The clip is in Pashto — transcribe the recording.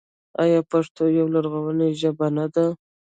آیا پښتو یوه لرغونې ژبه نه ده؟